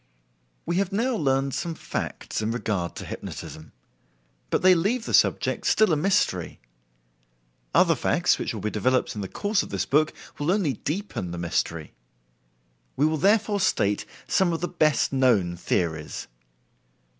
We have now learned some facts in regard to hypnotism; but they leave the subject still a mystery. Other facts which will be developed in the course of this book will only deepen the mystery. We will therefore state some of the best known theories.